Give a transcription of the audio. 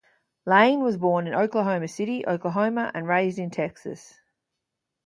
Lane was born in Oklahoma City, Oklahoma, and raised in Texas.